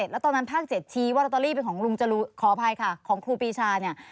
แล้วตอนนั้นภาค๗ชี้ว่าลอตเตอรี่เป็นของลุงจรูขออภัยค่ะของครูปีชาเนี่ย